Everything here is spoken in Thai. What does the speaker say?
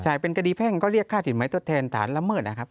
ใช่เป็นคดีแพ่งก็เรียกค่าสินไหมทดแทนฐานละเมิดนะครับ